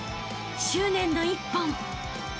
［執念の一本］